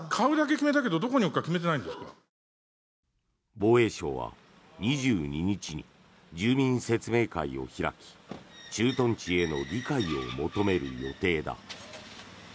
防衛省は２２日に住民説明会を開き駐屯地への理解を求める予定だ。